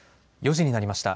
４時になりました。